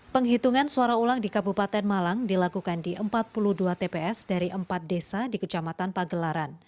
penghitungan suara ulang di kabupaten malang dilakukan di empat puluh dua tps dari empat desa di kecamatan pagelaran